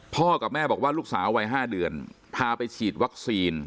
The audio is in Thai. กับแม่บอกว่าลูกสาววัย๕เดือนพาไปฉีดวัคซีน